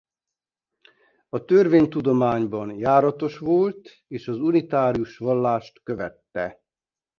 A törvény-tudományban járatos volt és az unitárius vallást követte.